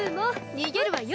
逃げるわよ！